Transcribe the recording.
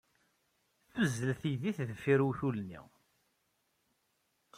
Tuzzel teydit deffir uwtul-nni.